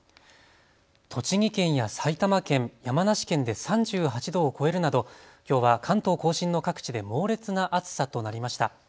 栃木県や埼玉県、山梨県で３８度を超えるなどきょうは関東甲信の各地で猛烈な暑さとなりました。